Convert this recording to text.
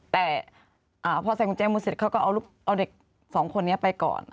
แต่พอใส่กุญแจมือเสร็จเขาก็เอาเด็กสองคนนี้ไปก่อน